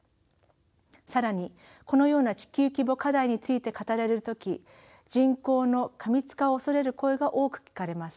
更にこのような地球規模課題について語られる時人口の過密化を恐れる声が多く聞かれます。